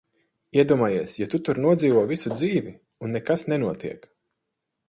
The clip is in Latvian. Iedomājies, ja tu tur nodzīvo visu dzīvi, un nekas nenotiek!